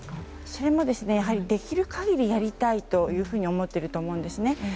それもできる限りやりたいと思っていると思うんですね。